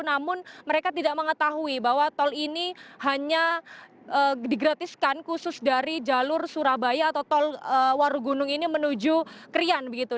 namun mereka tidak mengetahui bahwa tol ini hanya digratiskan khusus dari jalur surabaya atau tol warugunung ini menuju krian begitu